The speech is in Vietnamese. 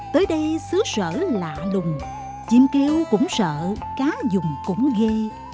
tới đây xứ sở lạ lùng chim keo cũng sợ cá dùng cũng ghê